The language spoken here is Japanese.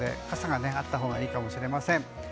傘があったほうがいいかもしれません。